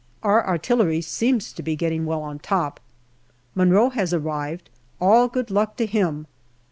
Our artillery seems to be getting well on top. Munro has arrived, all good luck to him.